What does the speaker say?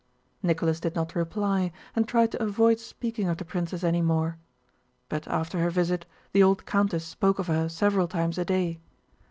Nicholas did not reply and tried to avoid speaking of the princess any more. But after her visit the old countess spoke of her several times a day.